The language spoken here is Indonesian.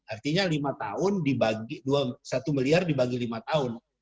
artinya satu miliar dibagi lima tahun